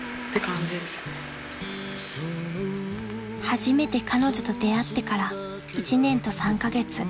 ［初めて彼女と出会ってから１年と３カ月］